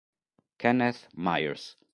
Kenneth Myers